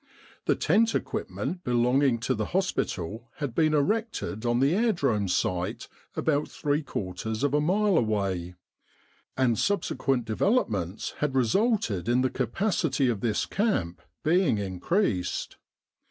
The tent equipment belonging to the hospital had been erected on the Aerodrome site about three quarters of a mile away, and subsequent develop With the R.A.M.C. in Egypt ments had resulted in the capacity of this camp being increased.